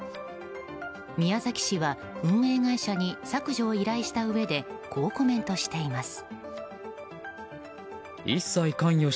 宮崎市は、運営会社に削除を依頼したうえでこうコメントしています。